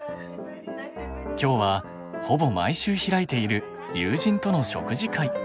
今日はほぼ毎週開いている友人との食事会。